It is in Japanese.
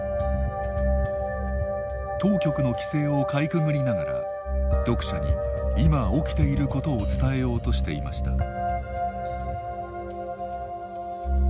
当局の規制をかいくぐりながら読者に今起きていることを伝えようとしていました。